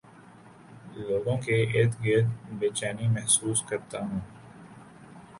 لوگوں کے ارد گرد بے چینی محسوس کرتا ہوں